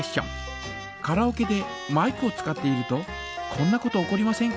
カラオケでマイクを使っているとこんなこと起こりませんか？